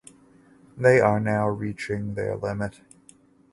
They are now reaching their limit.